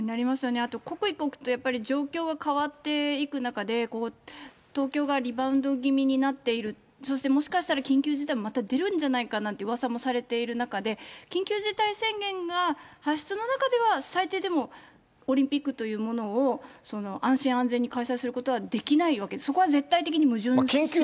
あと刻一刻と状況が変わっていく中で、こう、東京がリバウンド気味になっている、そしてもしかしたら緊急事態もまた出るんじゃないかなんてうわさもされている中で、緊急事態宣言が発出の中では、最低でもオリンピックというものを安心・安全に開催することはできないわけで、そこは絶対的に矛盾してます。